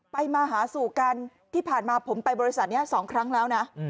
มาหาสู่กันที่ผ่านมาผมไปบริษัทนี้๒ครั้งแล้วนะ